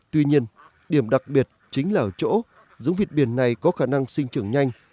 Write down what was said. tuy nhiên điểm đặc biệt chính là ở chỗ giống vịt biển này có khả năng sinh trưởng nhanh